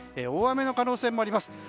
大雨の可能性もあります。